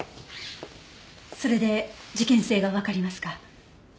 それで事件性がわかりますか？